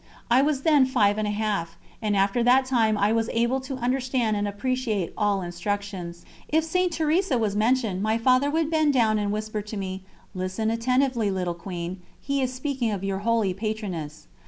I was then five and a half, and after that time I was able to understand and appreciate all instructions. If St. Teresa was mentioned, my Father would bend down and whisper to me: "Listen attentively, little Queen, he is speaking of your holy patroness."